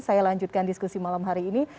saya lanjutkan diskusi malam hari ini